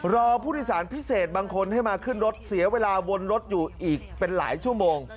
รอผู้โดยสารพิเศษบางคนให้มาขึ้นรถเสียเวลาวนรถอยู่อีกเป็นหลายชั่วโมง